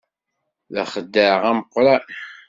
D axeddaɛ ameqqran.